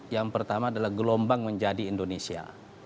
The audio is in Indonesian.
yang pertama adalah gelombang menjadi indonesia